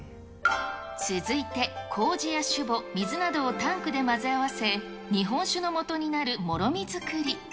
続いてこうじや酒母、水などをタンクで混ぜ合わせ、日本酒のもとになるもろみ作り。